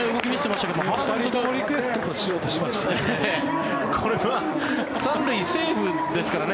２人リクエストしようとしましたね。